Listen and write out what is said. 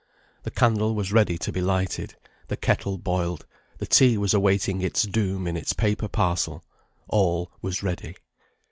The candle was ready to be lighted, the kettle boiled, the tea was awaiting its doom in its paper parcel; all was ready.